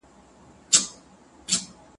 ته باران یې